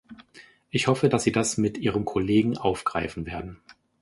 Ich hoffe, dass Sie das mit Ihrem Kollegen aufgreifen werden.